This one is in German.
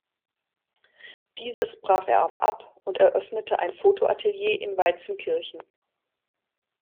Dieses brach er aber ab und eröffnete ein Fotoatelier in Waizenkirchen.